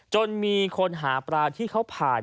จนมีคนหาปลาที่เขาผ่าน